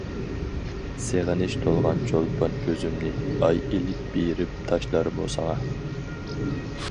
سېغىنىش تولغان چولپان كۆزۈمنى، ئاي ئېلىپ بېرىپ تاشلارمۇ ساڭا.